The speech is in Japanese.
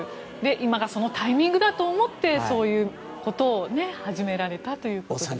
今がそのタイミングだと思ってそういうことを始められたということですね。